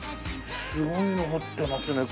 すごいの彫ってますね。